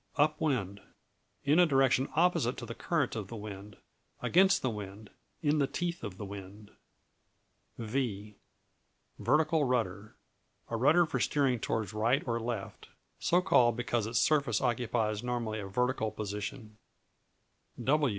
Up wind In a direction opposite to the current of the wind; against the wind; in the teeth of the wind. V Vertical Rudder A rudder for steering toward right or left; so called because its surface occupies normally a vertical position.